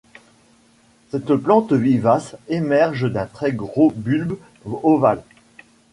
Cette plante vivace émerge d’un très gros bulbe ovale.